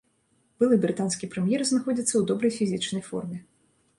Былы брытанскі прэм'ер знаходзіцца ў добрай фізічнай форме.